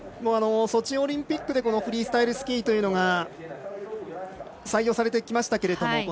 ソチオリンピックでフリースタイルスキーというのが採用されてきましたけれども。